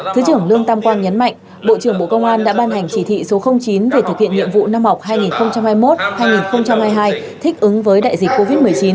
thứ trưởng lương tam quang nhấn mạnh bộ trưởng bộ công an đã ban hành chỉ thị số chín về thực hiện nhiệm vụ năm học hai nghìn hai mươi một hai nghìn hai mươi hai thích ứng với đại dịch covid một mươi chín